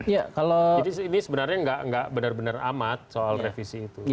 jadi ini sebenarnya tidak benar benar amat soal revisi itu